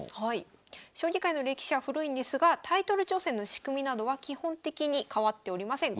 将棋界の歴史は古いんですがタイトル挑戦の仕組みなどは基本的に変わっておりません。